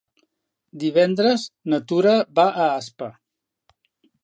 Divendres na Tura va a Aspa.